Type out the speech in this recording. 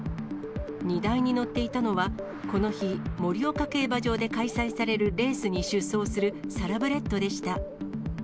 荷台に載っていたのは、この日、盛岡競馬場で開催されるレースに出走するサラブレッドでした。